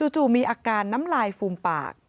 จู่มีอาการน้ำลายฟูมปาก